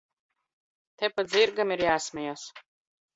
Te pat zirgam ir j?smejas!